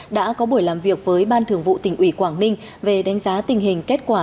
đã có buổi làm việc với ban thường vụ tỉnh ủy quảng ninh về đánh giá tình hình kết quả